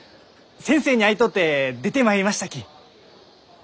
先生に会いとうて出てまいりましたき！